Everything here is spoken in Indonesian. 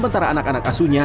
meriksa lebih lanjut